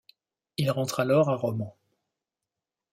Il rentre alors à Romans.